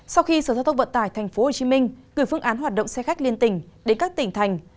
sau khi sở giao thông vận tải tp hcm gửi phương án hoạt động xe khách liên tỉnh đến các tỉnh thành